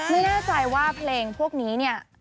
ไม่แน่ใจว่าเพลงพวกนี้เนี่ย